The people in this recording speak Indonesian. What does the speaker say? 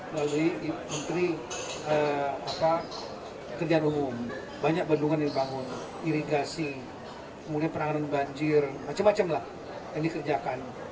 lalu menteri kerjaan umum banyak bendungan yang dibangun irigasi kemudian penanganan banjir macam macam lah yang dikerjakan